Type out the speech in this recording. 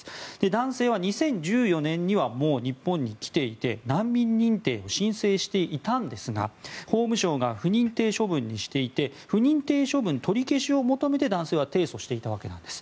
男性は２０１４年にはもう日本に来ていて難民認定を申請していたんですが法務省が不認定処分にしていて不認定処分取り消しを求めて男性は提訴していたわけです。